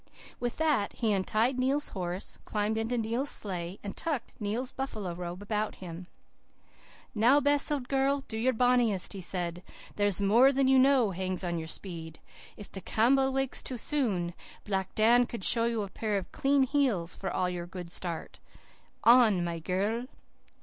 "With that he untied Neil's horse, climbed into Neil's sleigh, and tucked Neil's buffalo robe about him. "'Now, Bess, old girl, do your bonniest,' he said. 'There's more than you know hangs on your speed. If the Campbell wakes too soon Black Dan could show you a pair of clean heels for all your good start. On, my girl.